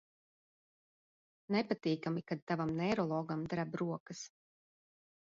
Nepatīkami, kad tavam neirologam dreb rokas.